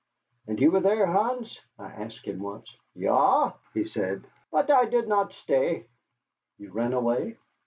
"And you were there, Hans?" I asked him once. "Ja," he said, "but I did not stay." "You ran away?"